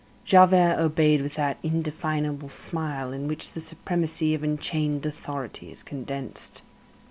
Javert obeyed with that indefinable smile in which the supremacy of enchained authority is condensed.